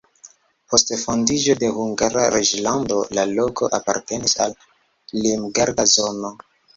Post fondiĝo de Hungara reĝlando la loko apartenis al limgarda zono.